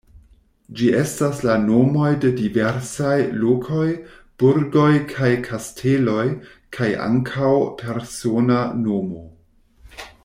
Ĝi estas la nomoj de diversaj lokoj, burgoj kaj kasteloj kaj ankaŭ persona nomo.